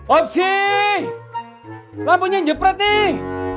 opsi lampunya jepret nih